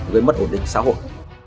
với mất ổn định xã hội